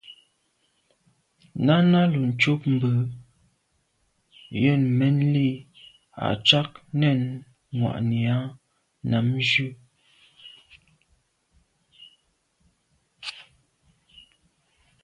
Náná lùcúp mbə̄ jə̂nə̀ mɛ́n lî à’ cák nɛ̂n mwà’nì á nǎmjʉ́.